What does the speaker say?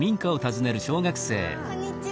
こんにちは。